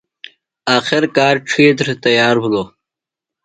آخر کار ڇِھیتر تیار بِھلوۡ۔